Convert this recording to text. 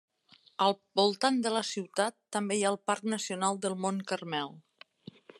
Al voltant de la ciutat també hi ha el parc nacional del mont Carmel.